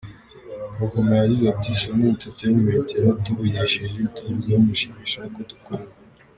Kavuma yagize ati: “Sony Entertainment yaratuvugishije itugezaho umushinga ishaka ko dukorana.